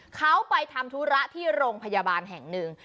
เขาไปทำธุระที่โรงพยาบาลแห่งหนึ่ง